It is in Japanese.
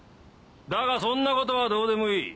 だがそんなことはどうでもいい。